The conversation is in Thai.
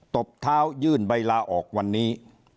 ตบเท้ายื่นใบลาออกวันนี้